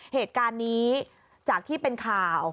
เหตุการณ์นี้จากที่เป็นข่าว